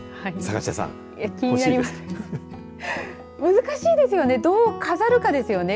難しいですよねどれを飾るかですよね。